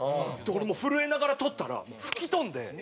俺もう震えながらとったら吹き飛んで。